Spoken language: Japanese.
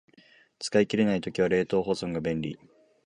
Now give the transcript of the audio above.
使い切れない時は冷凍保存が便利